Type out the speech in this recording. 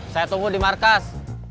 saya tunggu di markas